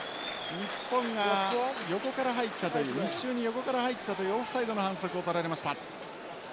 日本が横から入ったという一緒に横から入ったというオフサイドの反則を取られました。